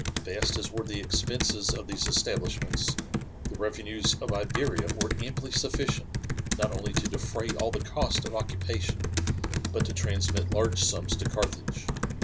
Vast as were the expenses of these establishments, the revenues of Iberia were amply sufficient not only to defray all the cost of occupation, but to transmit large sums to Carthage.